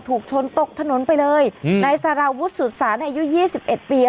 ถูกชนตกถนนไปเลยอืมนะศราวุฒิศรสารอายุยี่สิบแปดปี